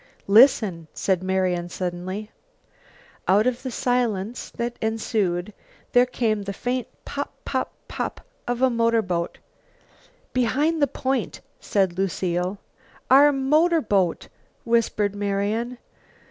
"Listen!" said Marian suddenly. Out of the silence that ensued there came the faint pop pop pop of a motorboat. "Behind the point," said Lucile. "Our motorboat!" whispered Marian.